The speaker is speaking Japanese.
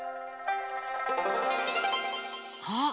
あっ